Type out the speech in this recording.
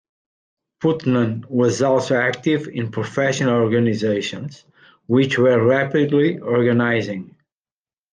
Putnam was also active in professional organizations, which were rapidly organizing.